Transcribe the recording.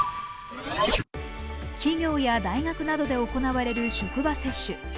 企業や大学などで行われる職場接種。